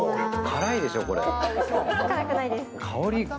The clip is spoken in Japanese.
辛いでしょ、これ。